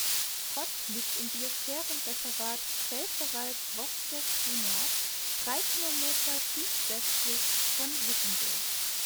Rott liegt im Biosphärenreservat Pfälzerwald-Vosges du Nord, drei Kilometer südwestlich von Wissembourg.